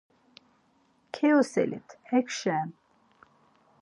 “Kyoselit hekşen!”